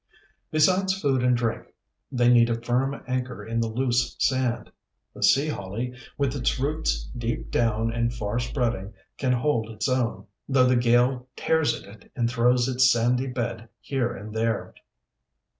Besides food and drink, they need a firm anchor in the loose sand. The Sea Holly, with its roots deep down and far spreading, can hold its own, though the gale tears at it and throws its sandy bed here and there.